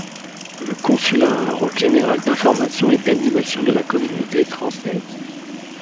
Le Consulat a un rôle général d’information et d’animation de la communauté française.